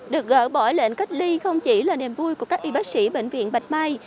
được gỡ bỏ lệnh cách ly không chỉ là niềm vui của các y bác sĩ bệnh viện bạch mai